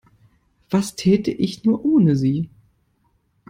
Was täte ich nur ohne Sie?